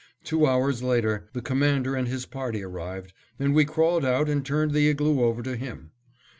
Two hours later, the Commander and his party arrived, and we crawled out and turned the igloo over to him.